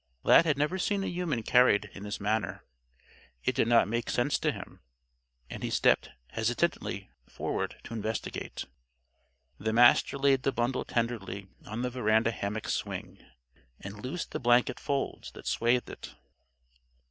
Lad had never seen a human carried in this manner. It did not make sense to him. And he stepped, hesitantly, forward to investigate. The Master laid the bundle tenderly on the veranda hammock swing, and loosed the blanket folds that swathed it.